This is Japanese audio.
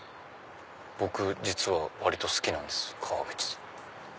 僕実は割と好きなんです革靴。